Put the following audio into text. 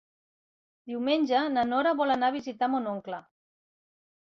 Diumenge na Nora vol anar a visitar mon oncle.